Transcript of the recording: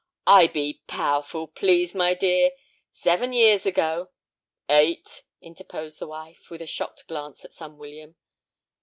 "I be powerful pleased, my dear. Seven years ago—" "Eight," interposed the wife, with a shocked glance at son William.